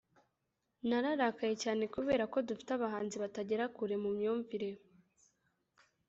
Nararakaye cyane kubera ko dufite abahanzi batagera kure mu myumvire